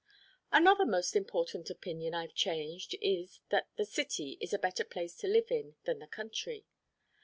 Another most important opinion I've changed, is that the city is a better place to live in than the country.